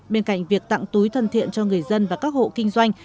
bên cạnh việc tặng túi thân thiện cho người dân và các hộ kinh doanh